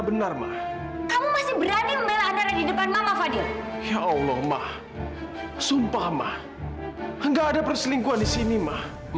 sampai jumpa di video selanjutnya